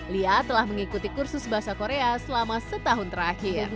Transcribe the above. lia telah mengikuti kursus bahasa korea selama setahun terakhir